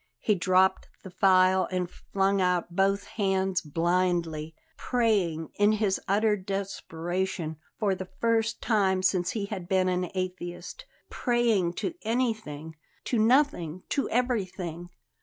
He dropped the file and flung out both hands blindly, praying, in his utter desperation, for the first time since he had been an atheist; praying to anything to nothing to everything.